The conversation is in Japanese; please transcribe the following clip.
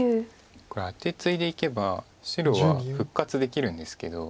これアテツイでいけば白は復活できるんですけど。